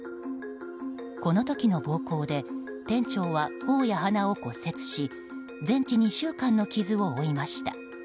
この時の暴行で店長は頬や鼻を骨折し全治２週間の傷を負いました。